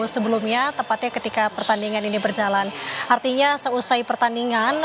sebelumnya tepatnya ketika pertandingan ini berjalan artinya seusai pertandingan